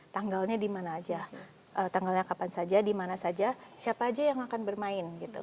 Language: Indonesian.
tanggalnya di mana aja tanggalnya kapan saja di mana saja siapa aja yang akan bermain gitu